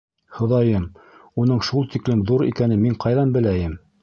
Хоҙайым, уның шул тиклем ҙур икәнен мин ҡайҙан беләйем!..